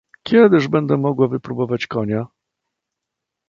"Kiedyż będę mogła wypróbować konia?"